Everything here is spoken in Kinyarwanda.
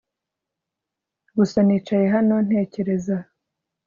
Gusa nicaye hano ntekereza